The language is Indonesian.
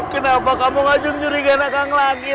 kenapa kamu ngajungjurigan akang lagi